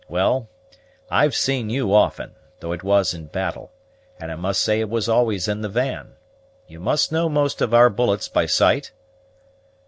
Well, I've seen you often, though it was in battle; and I must say it was always in the van. You must know most of our bullets by sight?"